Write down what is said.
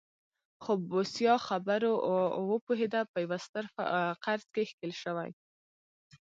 خو بوسیا خبر و او پوهېده په یوه ستر قرض کې ښکېل شوی.